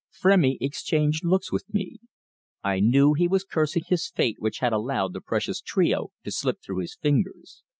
Frémy exchanged looks with me. I knew he was cursing his fate which had allowed the precious trio to slip through his fingers.